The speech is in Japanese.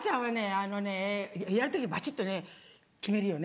あのねやる時はバチっとね決めるよね。